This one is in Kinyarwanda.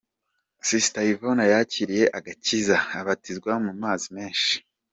Sister Yvonne yakiriye agakiza abatizwa mu mazi menshi.